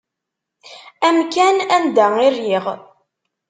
Amkan anda i rriɣ.